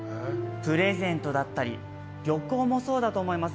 プレゼントだったり旅行もそうだと思います。